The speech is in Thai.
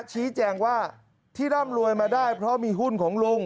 ชี้แจงว่าที่ร่ำรวยมาได้เพราะมีหุ้นของลุง